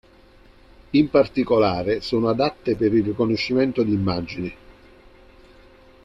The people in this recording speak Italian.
In particolare sono adatte per il riconoscimento di immagini.